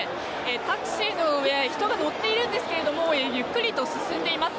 タクシーの上人が乗っているんですがゆっくりと進んでいます。